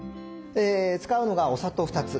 使うのがお砂糖２つ。